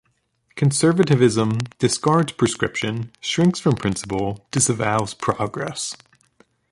Conservatism discards prescription, shrinks from principle, disavows progress.